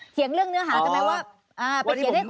เถียงเรื่องเนื้อหากันไหมว่าไปเขียนให้คนเข้าใจผิดอ๋อ